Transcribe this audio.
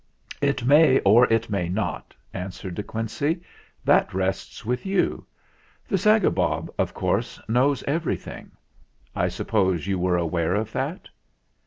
" It may or it may not," answered De Quincey ; "that rests with you. The Zagabog, of course, knows everything. I suppose you were aware of that?"